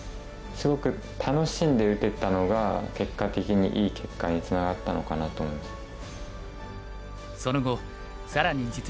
すごく楽しんで打てたのが結果的にいい結果につながったのかなと思います。